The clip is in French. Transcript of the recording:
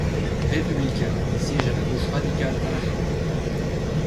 Républicain, il siège à la Gauche radicale à la Chambre.